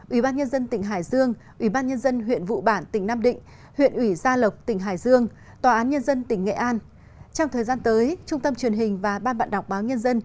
ubnd tỉnh hải dương ubnd huyện vụ bản tỉnh nam định huyện ủy gia lộc tỉnh hải dương